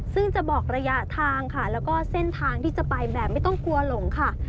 ซึ่งจะบอกระยะทางค่ะแล้วก็เส้นทางที่จะไปแบบไม่ต้องกลัวหลงค่ะ